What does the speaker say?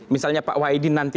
misalnya pak wadidin nanti